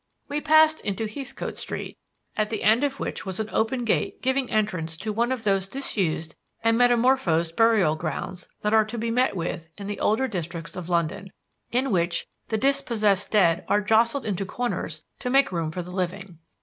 We passed into Heathcote Street, at the end of which was an open gate giving entrance to one of those disused and metamorphosed burial grounds that are to be met with in the older districts of London; in which the dispossessed dead are jostled into corners to make room for the living.